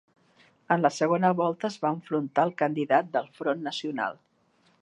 En la segona volta es va enfrontar al candidat del Front Nacional.